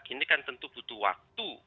ini kan tentu butuh waktu